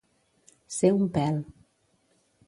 Ser un pèl.